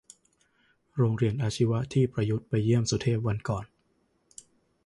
โรงเรียนอาชีวะที่ประยุทธ์ไปเยี่ยมสุเทพวันก่อน